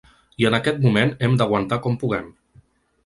I en aquest moment hem d’aguantar com puguem.